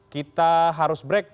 kita harus break